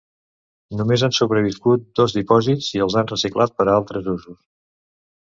Només han sobreviscut dos dipòsits i els han reciclat per a altres usos.